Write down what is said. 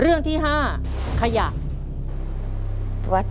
เรื่องที่หนึ่งจังหวัดบุรีรัมเรื่องที่สองวัดเรื่องที่สามภาษาไทย